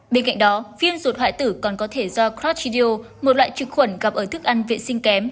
bên cạnh đó viêm ruột hoại tử còn có thể do crotgio một loại trực khuẩn gặp ở thức ăn vệ sinh kém